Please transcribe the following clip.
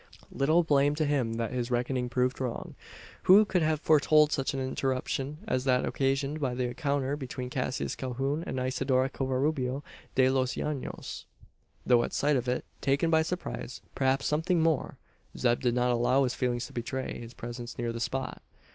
Little blame to him that his reckoning proved wrong. Who could have foretold such an interruption as that occasioned by the encounter between Cassius Calhoun and Isidora Covarubio de los Llanos? Though at sight of it, taken by surprise perhaps something more Zeb did not allow his feelings to betray his presence near the spot.